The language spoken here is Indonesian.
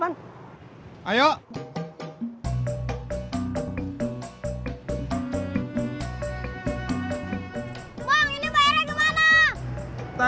bang ini bayarnya kemana